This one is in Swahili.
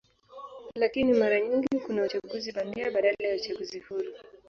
Lakini mara nyingi kuna uchaguzi bandia badala ya uchaguzi huru.